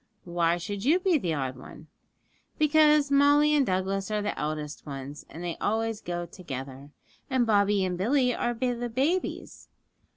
'Why should you be the odd one?' 'Because Molly and Douglas are the eldest ones, and they always go together, and Bobby and Billy are the babies.